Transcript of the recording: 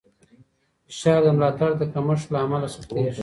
فشار د ملاتړ د کمښت له امله سختېږي.